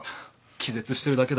気絶してるだけだ。